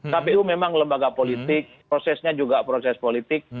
kpu memang lembaga politik prosesnya juga proses politik